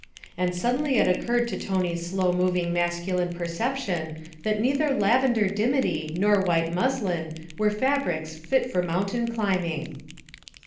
And suddenly it occurred to Tony's slow moving masculine perception that neither lavender dimity nor white muslin were fabrics fit for mountain climbing.